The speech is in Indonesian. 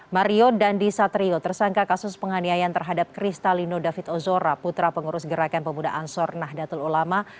mario dandi satrio tersangka kasus penganiayaan terhadap kristalino david ozora putra pengurus gerakan pemuda ansor nahdlatul ulama